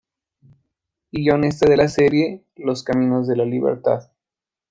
Y guionista de la serie "Los caminos de la libertad".